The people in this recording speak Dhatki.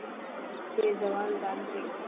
اي ري دوا رو ٽائيمٿي گيو.